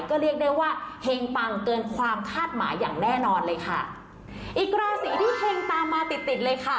ก็เรียกได้ว่าเฮงปังเกินความคาดหมายอย่างแน่นอนเลยค่ะอีกราศีที่เฮงตามมาติดติดเลยค่ะ